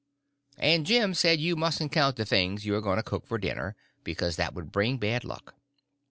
And Jim said you mustn't count the things you are going to cook for dinner, because that would bring bad luck.